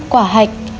năm quả hạch